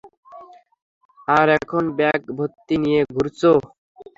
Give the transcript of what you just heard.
আর এখন ব্যাগ ভর্তি নিয়ে ঘুরছো।